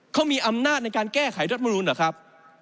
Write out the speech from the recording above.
เขามีอำนาจในการแก้ไขรัฐมนุนเหรอครับ